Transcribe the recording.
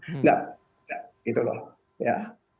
enggak enggak gitu loh ya